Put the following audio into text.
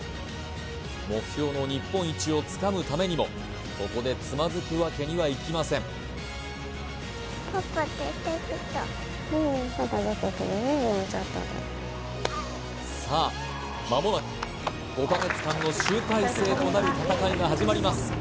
目標の日本一をつかむためにもここでつまずくわけにはいきませんさあまもなく５か月間の集大成となる戦いが始まります